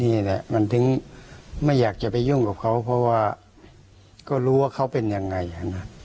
นี่แหละมันถึงไม่อยากจะไปยุ่งกับเขาเพราะว่าก็รู้ว่าเขาเป็นยังไงนะ